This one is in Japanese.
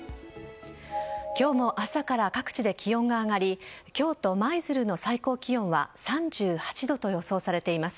今日も朝から各地で気温が上がり京都・舞鶴の最高気温は３８度と予想されています。